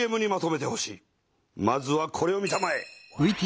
まずはこれを見たまえ。